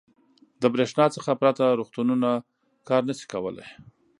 • د برېښنا څخه پرته روغتونونه کار نه شي کولی.